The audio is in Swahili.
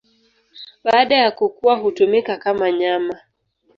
Baada ya kukua hutumika kama nyama.